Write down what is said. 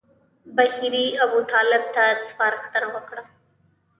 بهیري ابوطالب ته سپارښتنه وکړه.